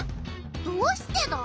どうしてだ？